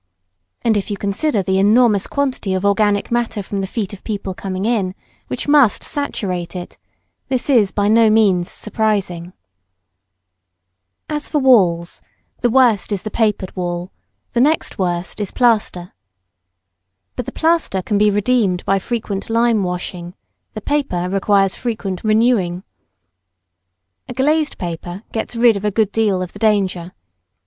And if you consider the enormous quantity of organic matter from the feet of people coming in, which must saturate it, this is by no means surprising. [Sidenote: Papered, plastered, oil painted walls.] As for walls, the worst is the papered wall; the next worst is plaster. But the plaster can be redeemed by frequent lime washing; the paper requires frequent renewing. A glazed paper gets rid of a good deal of the danger.